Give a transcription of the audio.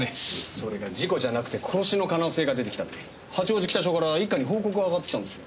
それが事故じゃなくて殺しの可能性が出てきたって八王子北署から一課に報告が上がってきたんですよ。